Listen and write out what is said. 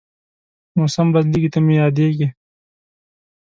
موسم بدلېږي، ته مې یادېږې